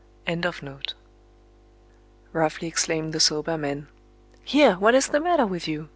_" (3) roughly exclaimed the soba man. "Here! what is the matter with you?